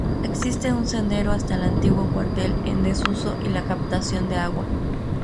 Existe un sendero hasta el antiguo cuartel en desuso y la captación de agua.